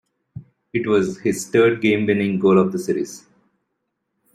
It was his third game-winning goal of the series.